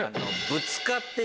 ぶつかって。